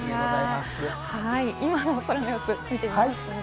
今の空の様子を見てきます。